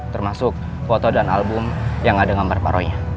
termasuk foto dan album yang ada gambar pak roy